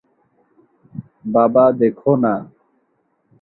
বাবা, দেখো না!